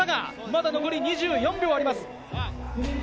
まだ残り２４秒あります。